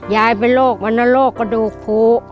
ยายเป็นโรควัณโรคกระดูกภูตร์